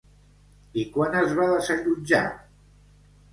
I quan es va desallotjar?